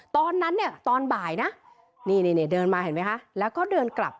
ตอนนั้นเนี่ยตอนบ่ายนะนี่เดินมาเห็นไหมคะแล้วก็เดินกลับ